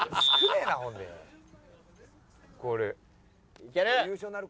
いける！